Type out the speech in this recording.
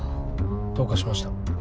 どうかしました？